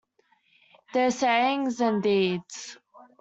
Their sayings and deeds.